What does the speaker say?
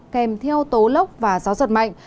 kèm theo tố lốc và gió giật mạnh